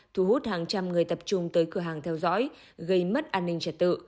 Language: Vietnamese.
thu hút hàng trăm người tập trung tới cửa hàng theo dõi gây mất an ninh trật tự